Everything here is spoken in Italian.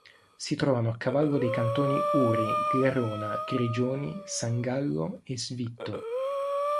Si trovano a cavallo dei cantoni Uri, Glarona, Grigioni, San Gallo e Svitto.